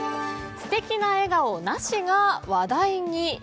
ステキな笑顔、なしが話題に。